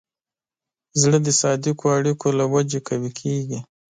زړه د صادقو اړیکو له وجې قوي کېږي.